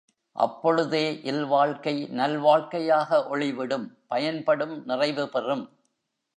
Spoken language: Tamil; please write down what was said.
அப்பொழுதே இல்வாழ்க்கை நல்வாழ்க்கையாக ஒளிவிடும் பயன்படும் நிறைவுபெறும்.